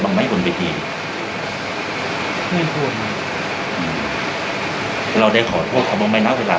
บ้างไหมลุนไปทีไม่ควรนะอืมเราได้ขอโทษเขาบางไม่นานเวลา